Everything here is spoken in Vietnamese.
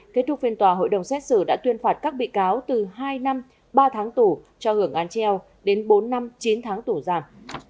kết thúc phiên tòa hội đồng xét xử đã tuyên phạt các bị cáo từ hai năm ba tháng tù cho hưởng án treo đến bốn năm chín tháng tù giam